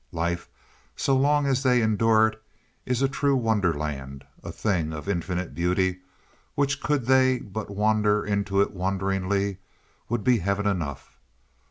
Life, so long as they endure it, is a true wonderland, a thing of infinite beauty, which could they but wander into it wonderingly, would be heaven enough.